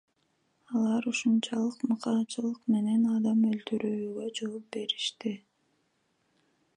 Алар ушунчалык мыкаачылык менен адам өлтүрүүгө жол беришти.